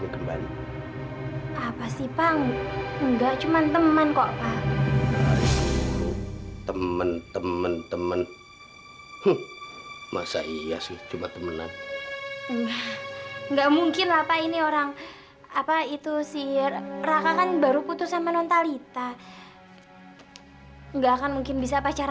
kalau orang noodlingya kalian kalian yang balik tester writing tuh mimpi saya